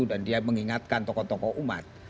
dan dia mengingatkan tokoh tokoh umat